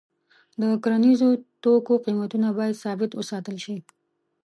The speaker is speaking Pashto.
د کرنیزو توکو قیمتونه باید ثابت وساتل شي.